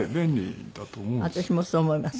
私もそう思います。